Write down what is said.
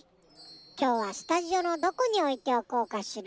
きょうはスタジオのどこにおいておこうかしら。